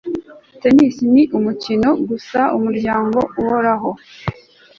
tennis ni umukino gusa, umuryango uhoraho. - serena williams